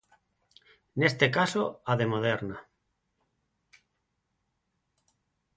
Neste caso, a de Moderna.